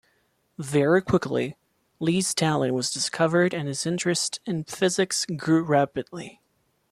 Very quickly, Lee's talent was discovered and his interest in physics grew rapidly.